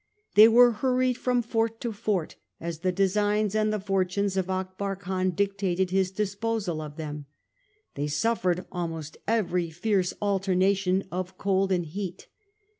They were hurried from fort to fort as the designs and the fortunes of Akbar Khan dictated his disposal of them. They suffered almost every fierce alternation of cold and heat.